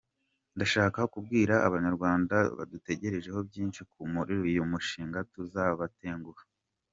Ndashaka kubwira abanyarwanda badutegerejeho byinshi ko muri uyu mushinga tutazabatenguha.